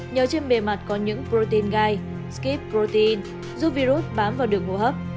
nhờ trên bề mặt có những protein gai giúp virus bám vào đường hô hấp